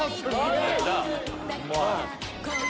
うまい！